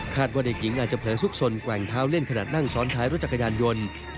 ว่าเด็กหญิงอาจจะเผลอซุกสนแกว่งเท้าเล่นขนาดนั่งซ้อนท้ายรถจักรยานยนต์